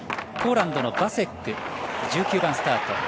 ポーランドのバセック１９番スタート。